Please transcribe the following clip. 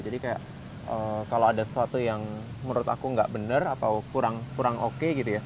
jadi kayak kalau ada sesuatu yang menurut aku nggak benar atau kurang oke gitu ya